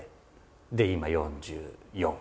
で今４４。